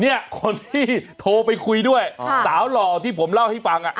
เนี่ยคนที่โทรไปคุยด้วยสาวหล่อที่ผมเล่าให้ฟัง